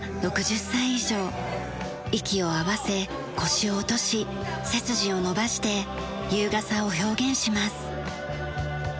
息を合わせ腰を落とし背筋を伸ばして優雅さを表現します。